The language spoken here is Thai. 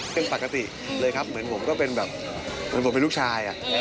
เป็นปกติเลยครับเหมือนผมก็เป็นแบบเหมือนผมเป็นลูกชาย